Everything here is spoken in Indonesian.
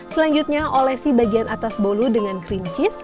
selanjutnya olesi bagian atas bolu dengan cream cheese